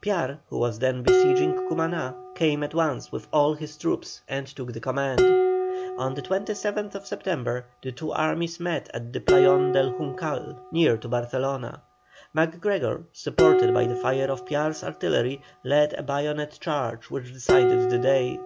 Piar, who was then besieging Cumaná, came at once with all his troops and took the command. On the 27th September the two armies met at the Playon del Juncal, near to Barcelona. MacGregor, supported by the fire of Piar's artillery, led a bayonet charge which decided the day.